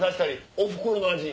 おふくろの味。